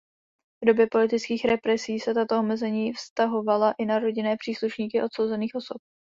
V době politických represí se tato omezení vztahovala i na rodinné příslušníky odsouzených osob.